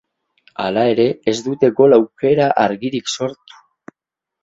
Hala ere, ez dute gol aukera argirik sortu.